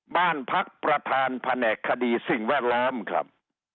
บ้านพักประธานแผนกคดีสิ่งแวดล้อมครับ